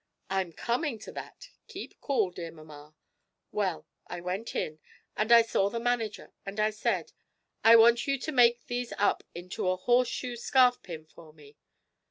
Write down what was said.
'I'm coming to that; keep cool, dear mamma. Well, I went in, and I saw the manager, and I said: "I want you to make these up into a horse shoe scarf pin for me."'